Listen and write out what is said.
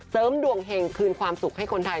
เสริมดวงเห็งคืนความสุขให้คนไทย